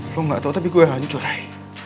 lo gak tau tapi gue hancur ray